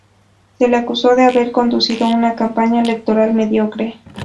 Se le acusó de haber conducido una campaña electoral mediocre.